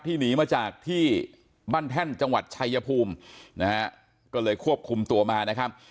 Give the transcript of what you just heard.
หนีมาจากที่บ้านแท่นจังหวัดชายภูมินะฮะก็เลยควบคุมตัวมานะครับ